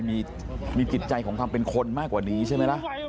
มีจิตใจของความเป็นคนมากกว่านี้ใช่ไหมล่ะ